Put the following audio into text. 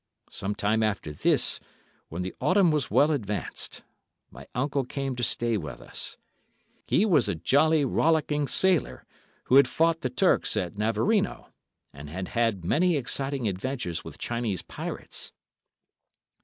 Some time after this, when the autumn was well advanced, my uncle came to stay with us. He was a jolly, rollicking sailor, who had fought the Turks at Navarino, and had had many exciting adventures with Chinese pirates.